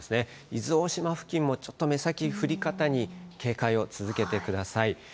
伊豆大島付近もちょっと目先、降り方に警戒を続けてください。